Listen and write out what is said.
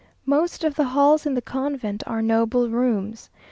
Most of the halls in the convent are noble rooms.